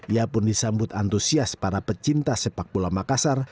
ia pun disambut antusias para pecinta sepak bola makassar